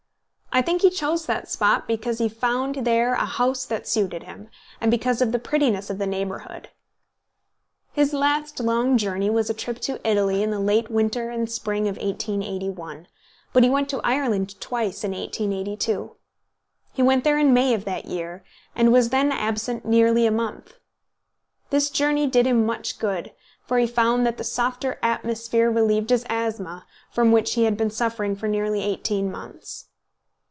I think he chose that spot because he found there a house that suited him, and because of the prettiness of the neighbourhood. His last long journey was a trip to Italy in the late winter and spring of 1881; but he went to Ireland twice in 1882. He went there in May of that year, and was then absent nearly a month. This journey did him much good, for he found that the softer atmosphere relieved his asthma, from which he had been suffering for nearly eighteen months.